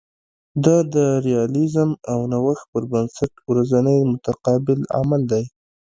دا د ریالیزم او نوښت پر بنسټ ورځنی متقابل عمل دی